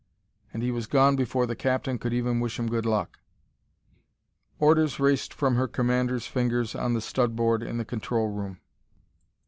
And he was gone before the captain could even wish him good luck. Orders raced from her commander's fingers on the stud board in the control room.